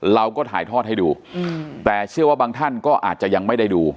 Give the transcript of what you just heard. เราก็ถ่ายทอดให้ดูแต่เชื่อว่าบางท่านก็อาจจะยังไม่ได้ดู